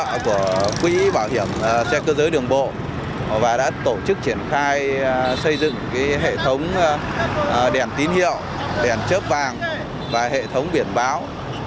hỗ trợ của quỹ bảo hiểm xe cơ giới đường bộ và đã tổ chức triển khai xây dựng hệ thống đèn tín hiệu đèn chớp vàng và hệ thống biển báo